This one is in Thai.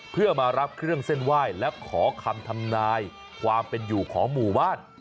เพื่อมารับเครื่องเส้นไหว้และขอคำทำนายความเป็นอยู่ของหมู่บ้าน